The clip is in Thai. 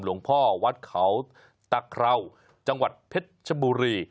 หลวงพ่อวัดเขาตะเคราวจังหวัดเพชรชบุรี